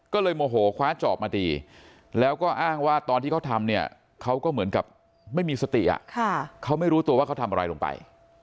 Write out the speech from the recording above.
ก็เลยโมโหคว้าจอบมาตีแล้วก็อ้างว่าตอนที่เขาทำเนี่ยเขาก็เหมือนกับไม่มีสติเขาไม่รู้ตัวว่าเขาทำอะไรลงไป